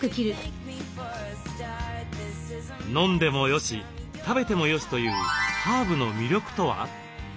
飲んでもよし食べてもよしというハーブの魅力とは？